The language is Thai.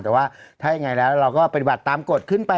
แต่ว่าถ้ายังไงแล้วเราก็ปฏิบัติตามกฎขึ้นไป